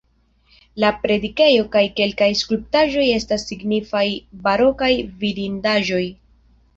La predikejo kaj kelkaj skulptaĵoj estas signifaj barokaj vidindaĵoj.